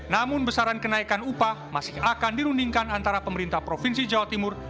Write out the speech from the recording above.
namun besaran kenaikan upah masih akan dirundingkan antara pemerintah provinsi jawa timur